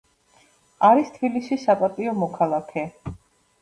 არის თბილისის საპატიო მოქალაქე.